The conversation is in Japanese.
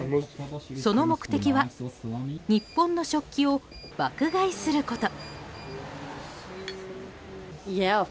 その目的は日本の食器を爆買いすること。